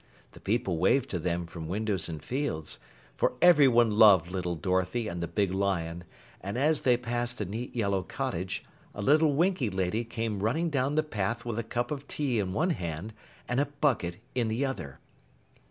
The people waved to them from windows and fields, for everyone loved little Dorothy and the big lion, and as they passed a neat yellow cottage, a little Winkie Lady came running down the path with a cup of tea in one hand and a bucket in the other.